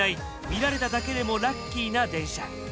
見られただけでもラッキーな電車。